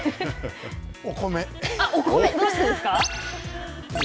どうしてですか？